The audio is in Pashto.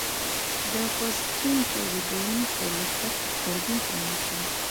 د فاسټین تولیدوونکو له سخت غبرګون سره مخ شول.